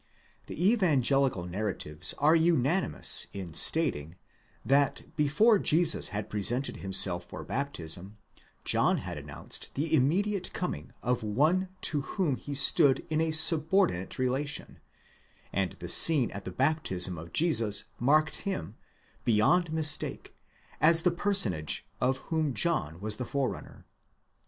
The evangelical narratives are unanimous in stating, that before Jesus had presented himself for baptism, John had announced the immediate coming of One to whom he stood in a subordinate relation ; and the scene at the baptism of Jesus marked him, beyond mistake, as the per sonage of whom John was the forerunner.